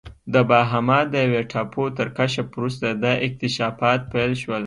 د باهاما د یوې ټاپو تر کشف وروسته دا اکتشافات پیل شول.